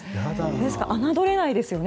ですから侮れないですよね。